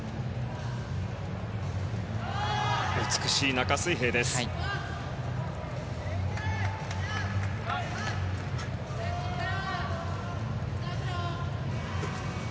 美しい中水平でした。